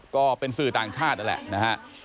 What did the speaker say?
ก็เป็นสื่อต่างชาตินั่นแหละนะฮะ